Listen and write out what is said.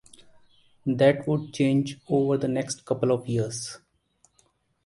That would change over the next couple of years.